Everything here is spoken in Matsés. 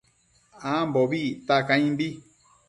Ambobi icta caimbi